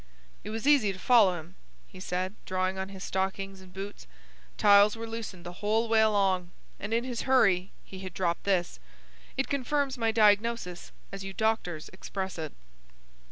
"It was easy to follow him," he said, drawing on his stockings and boots. "Tiles were loosened the whole way along, and in his hurry he had dropped this. It confirms my diagnosis, as you doctors express it."